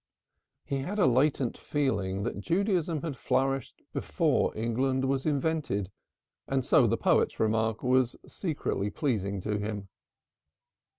He had a latent feeling that Judaism had flourished before England was invented, and so the poet's remark was secretly pleasing to him.